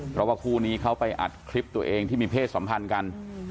เพราะว่าคู่นี้เขาไปอัดคลิปตัวเองที่มีเพศสัมพันธ์กัน